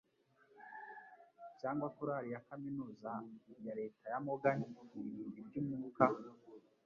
Cyangwa Korali ya Kaminuza ya Leta ya Morgan iririmba iby'umwuka?